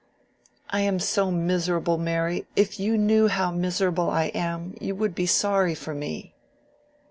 "I am so miserable, Mary—if you knew how miserable I am, you would be sorry for me."